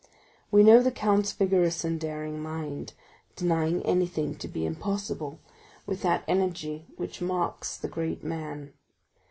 We know the count's vigorous and daring mind, denying anything to be impossible, with that energy which marks the great man.